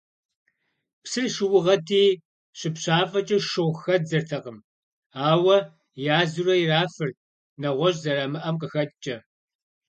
Псыр шыугъэти, щыпщафӏэкӏэ шыгъу хадзэртэкъым, ауэ язурэ ирафырт, нэгъуэщӏ зэрамыӏэм къыхэкӏкӏэ.